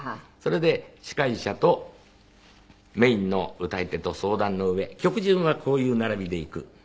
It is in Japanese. それで司会者とメインの歌い手と相談のうえ曲順はこういう並びでいく。